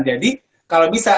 jadi kalau bisa